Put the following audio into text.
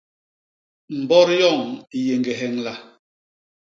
Mbot yoñ i yé ñgi heñla.